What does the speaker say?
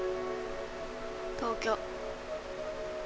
東京。